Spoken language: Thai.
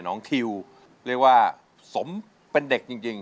ทิวเรียกว่าสมเป็นเด็กจริง